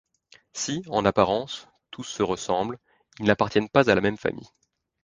Si, en apparence, tous se ressemblent, ils n'appartiennent pas à la même famille.